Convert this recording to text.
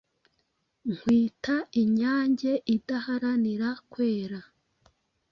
Nkwita Inyange idaharanira kwera